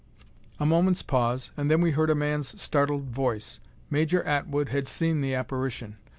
A moment's pause, and then we heard a man's startled voice. Major Atwood had seen the apparition.